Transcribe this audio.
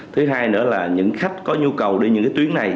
thứ hai nữa là những khách có nhu cầu đi những cái tuyến này